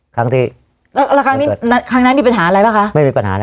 ครั้งที่แล้วครั้งนี้ครั้งนั้นมีปัญหาอะไรป่ะคะไม่มีปัญหานะ